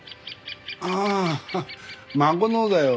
ああ孫のだよ。